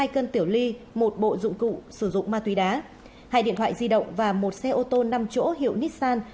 hai cân tiểu ly một bộ dụng cụ sử dụng ma túy đá hai điện thoại di động và một xe ô tô năm chỗ hiệu nissan